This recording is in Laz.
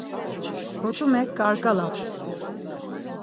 Kotumek ǩarǩalaps.